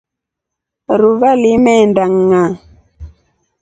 Ruva limeenda ngʼaa.